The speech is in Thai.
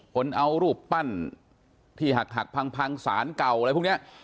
คนเอารูปปั้นที่หักพังสารเก่าอะไรพวกนี้